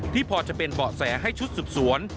พอจะเป็นเบาะแสให้ชุดสืบสวน